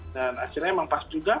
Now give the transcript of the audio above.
dan akhirnya emang pas juga